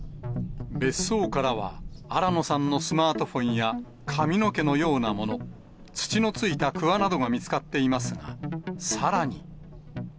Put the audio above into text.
別荘からは新野さんのスマートフォンや、髪の毛のようなもの、土のついたくわなどが見つかっていますが、さらに。